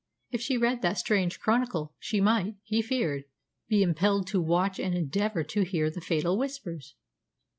If she read that strange chronicle she might, he feared, be impelled to watch and endeavour to hear the fatal Whispers.